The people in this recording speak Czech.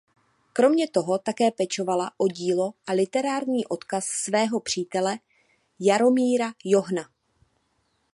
Kromě toho také pečovala o dílo a literární odkaz svého přítele Jaromíra Johna.